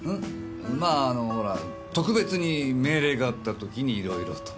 まああのほら特別に命令があった時にいろいろとね。